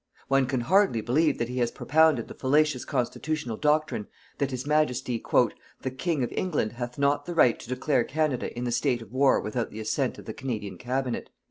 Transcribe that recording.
One can hardly believe that he has propounded the fallacious constitutional doctrine that His Majesty "the King of England hath not the right to declare Canada in the State of War without the assent of the Canadian Cabinet."